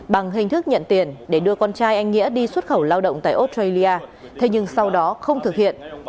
bằng hình thức nhận tiền để đưa con trai anh nghĩa đi xuất khẩu lao động tại australia thế nhưng sau đó không thực hiện